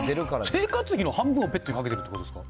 生活費の半分をペットにかけてるということですか？